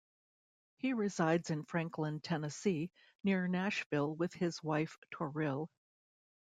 He resides in Franklin, Tennessee, near Nashville, with his wife Toril.